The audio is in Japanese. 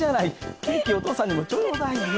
ケーキお父さんにもちょうだいよ。